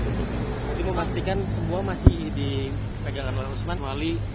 jadi memastikan semua masih dipegangkan oleh usman kecuali rumah dinas